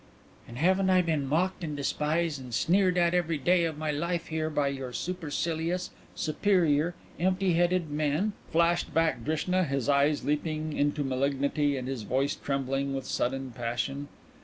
"And haven't I been mocked and despised and sneered at every day of my life here by your supercilious, superior, empty headed men?" flashed back Drishna, his eyes leaping into malignity and his voice trembling with sudden passion.